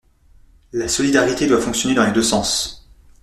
La solidarité doit fonctionner dans les deux sens.